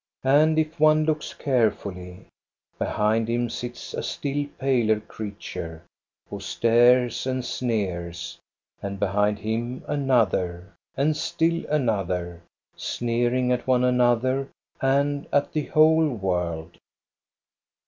And if one looks carefully, behind him sits a still paler creature, who stares and sneers, and behind him an other and still another, sneering at one another and at the whole world.